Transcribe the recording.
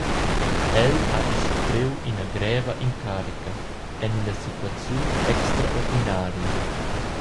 El hagi surpriu ina greva incarica en ina situaziun extraordinaria.